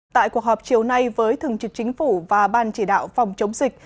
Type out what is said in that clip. tại cuộc họp chiều nay với thường trực chính phủ và ban chỉ đạo phòng chống dịch